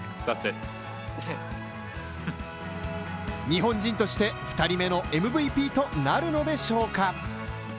日本人として、二人目のＭＶＰとなるのでしょうか？